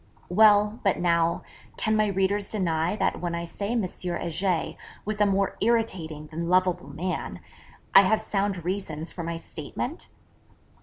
Well, but now, can my readers deny that when I say M. Heger was a more irritating than lovable man, I have sound reasons for my statement?